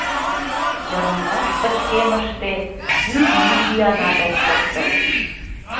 Йырымваш пычкемыште ик йӱк-йӱанат ок шокто.